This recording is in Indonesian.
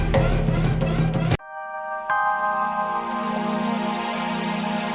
sampai jumpa lagi